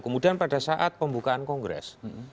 kemudian pada saat pembukaan kongres